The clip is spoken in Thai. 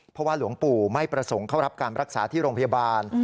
เพราะว่าหลวงปู่ไม่ประสงค์เข้ารับการรักษาที่โรงพยาบาล